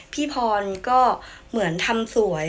พี่พรก็เหมือนทำสวย